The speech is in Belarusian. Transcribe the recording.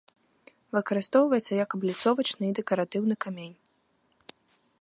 Выкарыстоўваецца як абліцовачны і дэкаратыўны камень.